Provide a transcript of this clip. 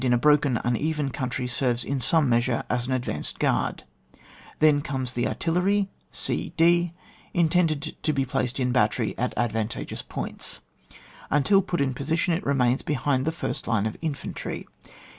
a hroken, oneyen country, serves in some measure as an advanced guard ; then comes the artillery, e, df intended to be placed in battery at advantageous points. Until put in posi tion, it remains behind the first line of infantry.